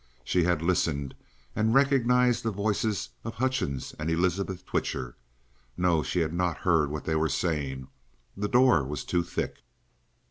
She had listened and recognized the voices of Hutchings and Elizabeth Twitcher. No; she had not heard what they were saying. The door was too thick.